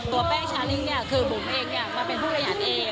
บุ๋มเองคือแบบเป็นผู้ประหารเอง